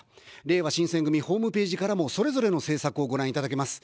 れいわ新選組ホームページからも、それぞれの政策をご覧いただけます。